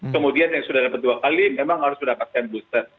kemudian yang sudah dapat dua kali memang harus mendapatkan booster